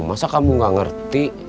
masa kamu gak ngerti